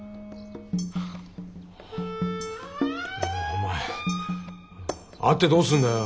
お前会ってどうすんだよ。